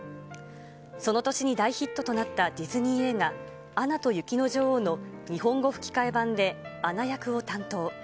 その年に大ヒットとなったディズニー映画、アナと雪の女王の日本語吹き替え版でアナ役を担当。